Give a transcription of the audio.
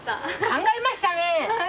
考えましたね。